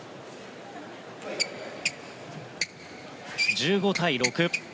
１５対６。